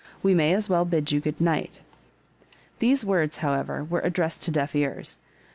We may as well bid you good night." These words, however, were addressed to deaf ears.